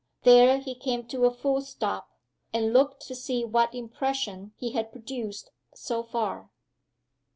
There he came to a full stop and looked to see what impression he had produced, so far.